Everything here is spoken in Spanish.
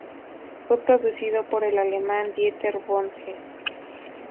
Fue producido por el alemán Dieter Bohlen.